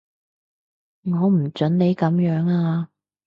我唔準你噉樣啊